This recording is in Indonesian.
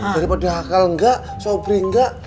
daripada hakal enggak sobri enggak